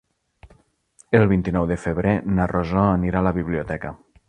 El vint-i-nou de febrer na Rosó anirà a la biblioteca.